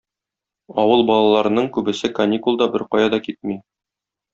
Авыл балаларының күбесе каникулда беркая да китми.